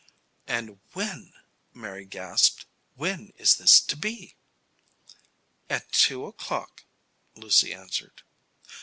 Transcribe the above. "And when," Mary gasped, "when is this to be?" "At two o'clock," Lucy answered.